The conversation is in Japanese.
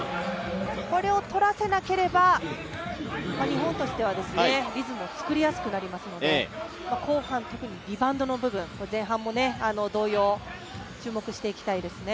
これを取らせなければ日本としてはリズムを作りやすくなりますので後半、特にリバウンドの部分前半も同様、注目していきたいですね。